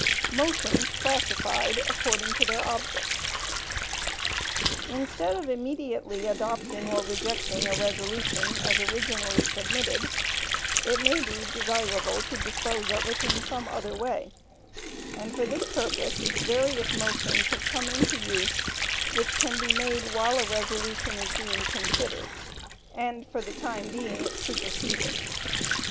Motions Classified According to their Object. Instead of immediately adopting or rejecting a resolution as originally submitted, it may be desirable to dispose of it in some other way, and for this purpose various motions have come into use, which can be made while a resolution is being considered, and for the time being, supersede it.